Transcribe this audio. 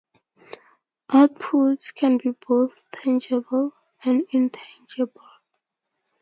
Outputs can be both tangible and intangible.